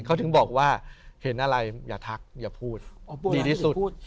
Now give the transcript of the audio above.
เขาถึงบอกว่าเห็นอะไรอย่าทักอย่าพูดดีที่สุด